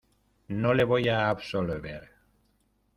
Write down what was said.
no le voy a absolver.